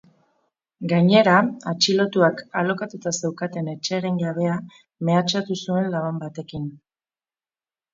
Gainera, atxilotuak alokatuta zeukaten etxearen jabea mehatxatu zuen laban batekin.